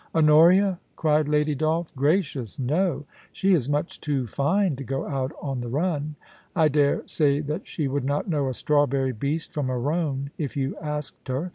' Honoria !' cried Lady Dolph ;' gracious, no ! She is much too fine lo go out on the run. I dare say that she would not know a strawberry beast from a roan, if you asked her.